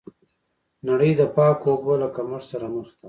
نړۍ د پاکو اوبو له کمښت سره مخ ده.